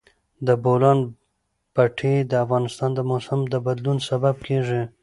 د بولان پټي د افغانستان د موسم د بدلون سبب کېږي.